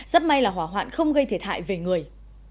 rất may là hỏa hoạn không gây thiệt hại về người